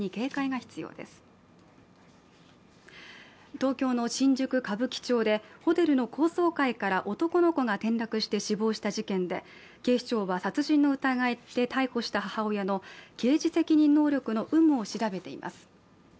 東京の新宿・歌舞伎町でホテルの高層階から男の子が転落して死亡した事件で、警視庁は、殺人の疑いで逮捕した母親の刑事責任能力の有無を調べています。